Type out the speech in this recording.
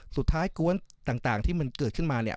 สุดท้ายกว้นต่างที่มันเกิดขึ้นมาเนี่ย